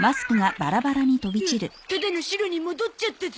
あっただのシロに戻っちゃったゾ。